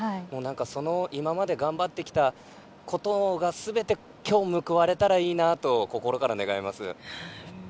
その今まで頑張ってきたことがすべて今日、報われたらいいなと心から願います。